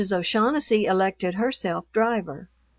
O'Shaughnessy elected herself driver.